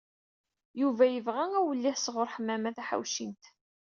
Yuba yebɣa awellih sɣur Ḥemmama Taḥawcint.